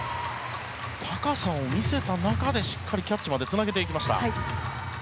高さを見せた中でしっかりキャッチまでつなげていきました。